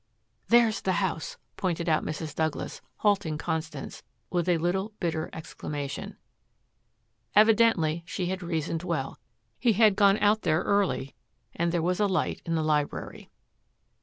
"There's the house," pointed out Mrs. Douglas, halting Constance, with a little bitter exclamation. Evidently she had reasoned well. He had gone out there early and there was a light in the library.